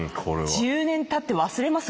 １０年たって忘れます？